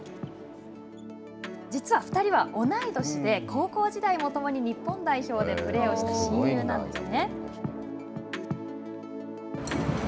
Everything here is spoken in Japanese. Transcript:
実は２人は同い年で、高校時代も共に日本代表でプレーをした、親友なんですね。